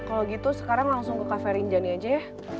kalau gitu sekarang langsung ke cafe rinjani aja ya